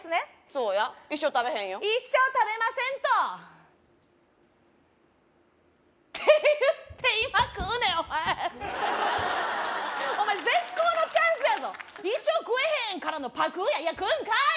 そうや一生食べへんよ一生食べませんとって言って今食うねんお前お前絶好のチャンスやぞ一生食えへんからのパクッやいや食うんかい！